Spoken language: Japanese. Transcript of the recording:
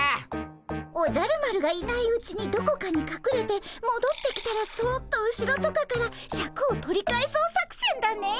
「おじゃる丸がいないうちにどこかにかくれてもどってきたらそっと後ろとかからシャクを取り返そう作戦」だね！